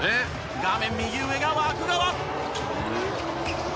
画面右上が湧川。